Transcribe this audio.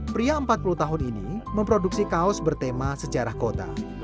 pria empat puluh tahun ini memproduksi kaos bertema sejarah kota